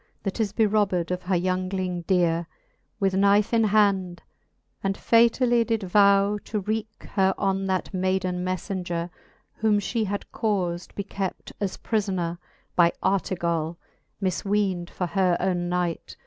That is berobbed of her youngling dere, With knife in hand, and fatally did vow, To wreake her on that mayden mefi^ngere, Whom fhe had caufd be kept as prilbnere By Artegall^ mifween'd for her owne knight.